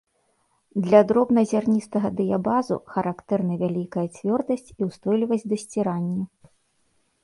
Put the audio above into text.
Для дробназярністага дыябазу характэрны вялікая цвёрдасць і ўстойлівасць да сцірання.